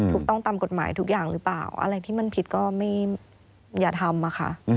ถูกต้องตามกฎหมายทุกอย่างหรือเปล่าอะไรที่มันผิดก็ไม่อย่าทำอะค่ะ